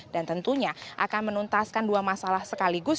dan tentunya akan menuntaskan dua masalah sekaligus